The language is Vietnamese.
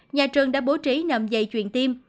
nhà trường đã bố trí nằm dây chuyền tiêm